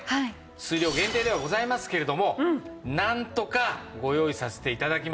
数量限定ではございますけれどもなんとかご用意させて頂きました。